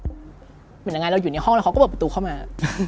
เหมือนยังไงเราอยู่ในห้องแล้วเขาก็เปิดประตูเข้ามา